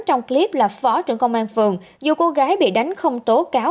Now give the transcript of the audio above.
trong clip là phó trưởng công an phường dù cô gái bị đánh không tố cáo